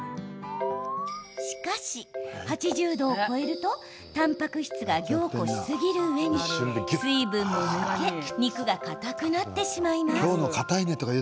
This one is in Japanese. しかし、８０度を超えるとたんぱく質が凝固しすぎるうえに水分も抜け肉がかたくなってしまいます。